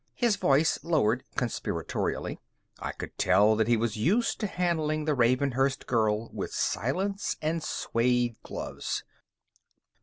His voice lowered conspiratorially. I could tell that he was used to handling the Ravenhurst girl with silence and suede gloves.